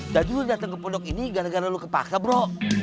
jadi lu datang ke pondok ini gara gara lu kepaka bro